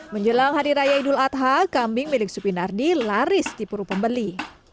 menjelang hari raya idul adha kambing milik supi nardi laris tipuru pembeli